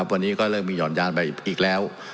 วันนี้ก็เริ่มมีห่อนยานไปอีกแล้ว